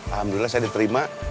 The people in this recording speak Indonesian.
alhamdulillah saya diterima